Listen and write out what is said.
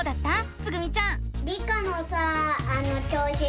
つぐみちゃん。